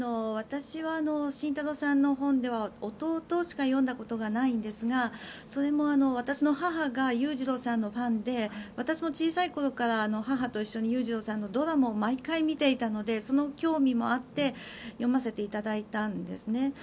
私は慎太郎さんの本では「弟」しか読んだことがないんですがそれも私の母が裕次郎さんのファンで私も小さい頃から母と一緒に裕次郎さんのドラマを毎回見ていたのでその興味もあって読ませていただいたんですね。